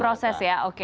proses ya oke